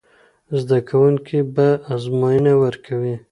زده کوونکي به ازموینه ورکوي.